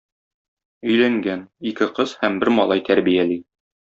Өйләнгән, ике кыз һәм бер малай тәрбияли.